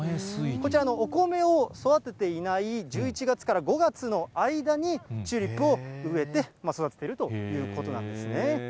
こちら、お米を育てていない１１月から５月の間に、チューリップを植えて育てているということなんですね。